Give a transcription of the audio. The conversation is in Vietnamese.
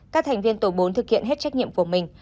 các thành viên tổ bốn thực hiện hết trách nhiệm của mình